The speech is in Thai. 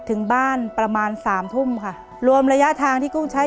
เปลี่ยนเพลงเพลงเก่งของคุณและข้ามผิดได้๑คำ